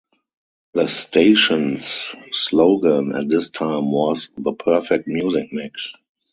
The station's slogan at this time was The Perfect Music Mix.